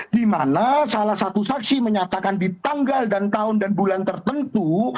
di mana salah satu saksi menyatakan di tanggal dan tahun dan bulan tertentu